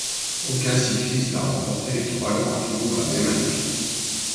Aucun cycliste n'a remporté les trois grands tours la même année.